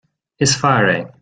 is fear é